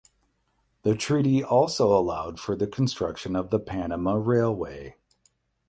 The treaty also allowed for the construction of the Panama Railway.